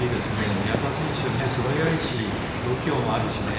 宮澤選手、素早いし度胸もあるしね